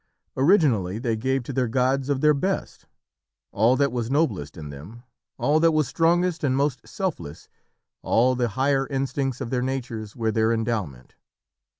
Originally they gave to their gods of their best. All that was noblest in them, all that was strongest and most selfless, all the higher instincts of their natures were their endowment.